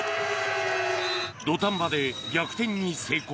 土壇場で逆転に成功。